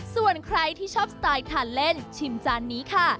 ส่วนใครที่ชอบสไตล์ทานเล่นชิมจานนี้ค่ะ